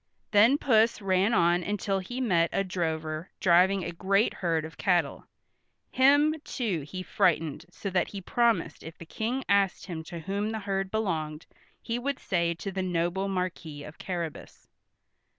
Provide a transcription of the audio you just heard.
Then Puss ran on until he met a drover driving a great herd of cattle. Him, too, he frightened so that he promised if the King asked him to whom the herd belonged, he would say to the noble Marquis of Carrabas.